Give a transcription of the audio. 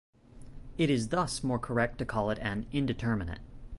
It is thus more correct to call it an "indeterminate".